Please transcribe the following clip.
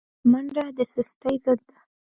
منډه د سستۍ ضد ده